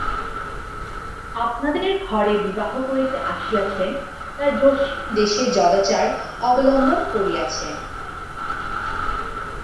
আপনাদের ঘরে বিবাহ করিতে আসিয়াছেন, তাই যস্মিন দেশে যদাচার অবলম্বন করিয়াছেন।